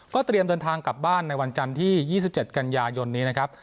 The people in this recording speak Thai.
เตรียมเดินทางกลับบ้านในวันจันทร์ที่๒๗กันยายนนี้นะครับ